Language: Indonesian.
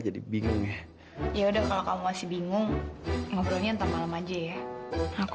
jadi bingung ya ya udah kalau kamu masih bingung ngobrolnya ntar malam aja ya aku